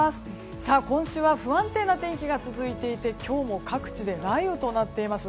今週は不安定な天気が続いていて今日も各地で雷雨となっています。